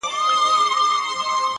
اخلاص د نیت پاکوالی څرګندوي،